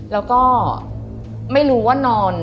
แล้วก็ไม่รู้ว่านอน